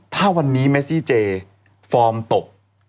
ถ้าวันนี้เมซี่เจฟอร์มตก